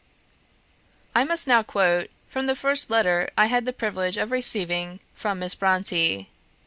I must now quote from the first letter I had the privilege of receiving from Miss Brontë.